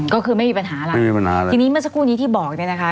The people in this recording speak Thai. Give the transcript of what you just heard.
ก็คือไม่มีปัญหาอะไรไม่มีปัญหาอะไรทีนี้เมื่อสักครู่นี้ที่บอกเนี่ยนะคะ